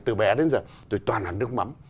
từ bé đến giờ tôi toàn ăn nước mắm